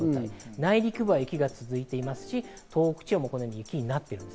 内陸部は雪が続いていますし、東北地方も雪になって。